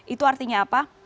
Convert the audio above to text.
itu artinya apa